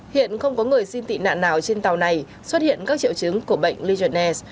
hiện không có người xin tị nạn nào trên tàu này xuất hiện các triệu chứng của bệnh legionella